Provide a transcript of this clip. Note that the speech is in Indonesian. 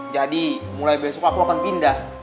jadi mulai besok aku akan pindah